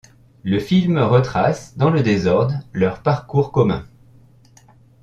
Le film retrace, dans le désordre, leur parcours commun.